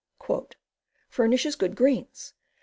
"Furnishes good greens.